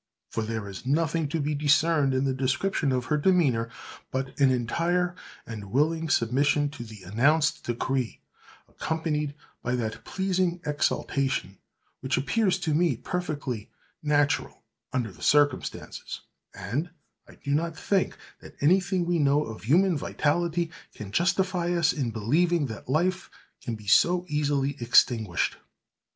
for there is nothing to be discerned in the description of her demeanor but an entire and willing submission to the announced decree, accompanied by that pleasing exaltation, which appears to me perfectly natural under the circumstances; and I do not think that anything we know of human vitality can justify us in believing that life can be so easily extinguished.